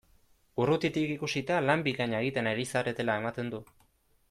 Urrutitik ikusita, lan bikaina egiten ari zaretela ematen du!